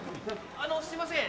あのすいません。